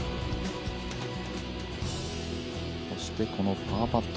そして、このパーパット。